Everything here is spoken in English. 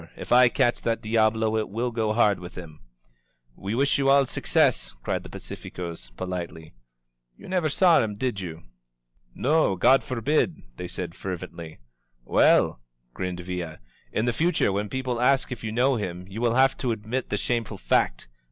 If I catch that diahlo it will go hard with him !" *nVe wish you all success!' cried the pacificoSy po litely. "You never saw him, did you?" SOS INSURGENT MEXICO "No, God forbid P' they said fervently. "Well!" grinned Villa. "In the future when peo ple ask if you know him you will have to admit the shameful fact!